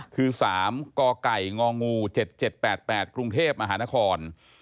คือ๓กไก่งง๗๗๘๘กรุงเทพฯอาหารคอน